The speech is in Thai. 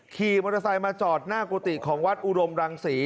ขี่มอเตอร์ไซค์มาจอดหน้ากุฏิของวัดอุดมรังศรี